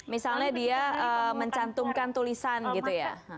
misalnya dia mencantumkan tulisan gitu ya